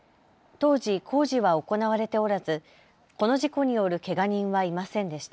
当時、工事は行われておらずこの事故によるけが人はいませんでした。